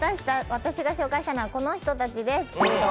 私が紹介したいのはこの人たちです。